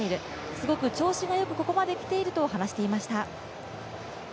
すごく調子が良くここまで来ていると話していました。